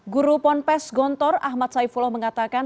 guru ponpes gontor ahmad saifullah mengatakan